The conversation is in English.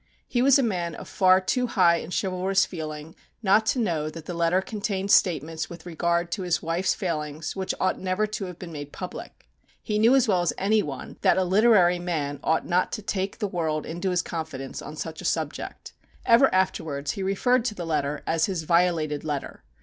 He was a man of far too high and chivalrous feeling not to know that the letter contained statements with regard to his wife's failings which ought never to have been made public. He knew as well as any one, that a literary man ought not to take the world into his confidence on such a subject. Ever afterwards he referred to the letter as his "violated letter."